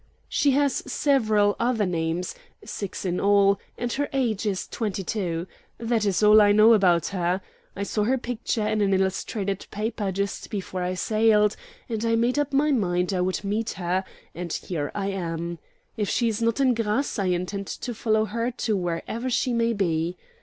"She has several other names, six in all, and her age is twenty two. That is all I know about her. I saw her picture in an illustrated paper just before I sailed, and I made up my mind I would meet her, and here I am. If she is not in Grasse, I intend to follow her to wherever she may be."